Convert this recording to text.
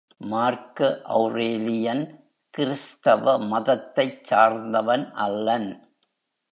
மார்க்க ஒளரேலியன் கிறிஸ்தவ மதத்தைச் சார்ந்தவன் அல்லன்.